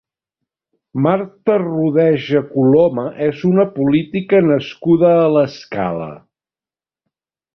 Marta Rodeja Coloma és una política nascuda a l'Escala.